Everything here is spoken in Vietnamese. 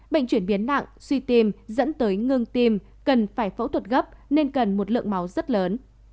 bệnh chuyển biến nặng suy tim dẫn tới ngưng tim cần phải phẫu thuật gấp nên cần một lượng máu rất lớn